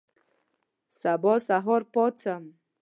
سبا سهار پاڅم